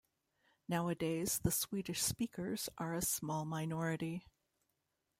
Nowadays the Swedish speakers are a small minority.